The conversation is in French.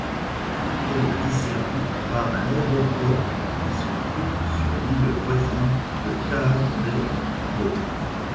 Elle est desservie par un aéroport qui se trouve sur l'île voisine de Kaadedhdhoo.